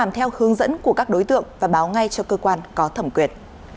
theo hướng dẫn của các đối tượng và báo ngay cho cơ quan có thẩm quyền